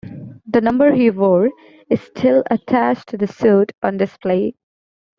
The number he wore is still attached to the suit on display.